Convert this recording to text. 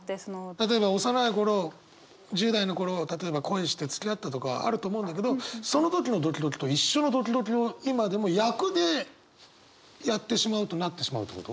例えば幼い頃１０代の頃例えば恋してつきあったとかあると思うんだけどその時のドキドキと一緒のドキドキを今でも役でやってしまうとなってしまうってこと？